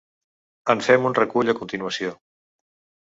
En fem un recull a continuació.